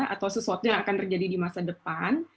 atau sesuatu yang akan terjadi di masa depan